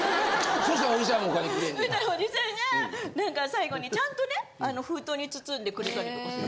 そしたらオジサンが何か最後にちゃんとね封筒に包んでくれたりとかする。